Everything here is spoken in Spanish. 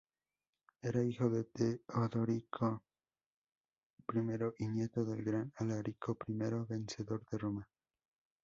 Era hijo de Teodorico I y nieto del gran Alarico I, vencedor de Roma.